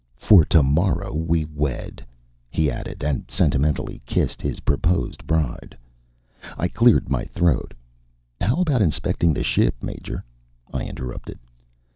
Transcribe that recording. "For tomorrow we wed," he added, and sentimentally kissed his proposed bride. I cleared my throat. "How about inspecting the ship, Major?" I interrupted.